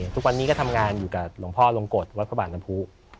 ทุกวันนี้ก็ทำงานอยู่กับหลวงพ่อหลวงกฎวัฒนบาลนัพภูมิ